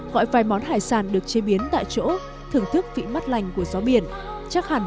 gọi vài món hải sản được chế biến tại chỗ thưởng thức vị mắt lành của gió biển chắc hẳn